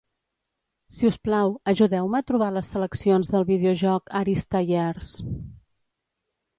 Si us plau, ajudeu-me a trobar les seleccions del videojoc Arista Years.